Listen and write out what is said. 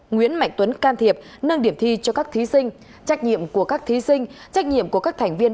nguyễn mạnh tuấn can thiệp nâng điểm thi cho các thí sinh trách nhiệm của các thí sinh trách nhiệm của các thành viên